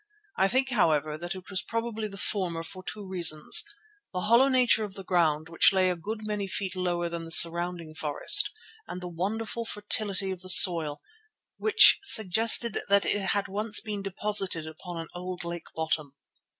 I think, however, that it was probably the former for two reasons: the hollow nature of the ground, which lay a good many feet lower than the surrounding forest, and the wonderful fertility of the soil, which suggested that it had once been deposited upon an old lake bottom.